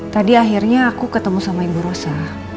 tadi akhirnya aku ketemu sama ibu rosa